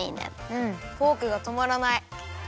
うんフォークがとまらない。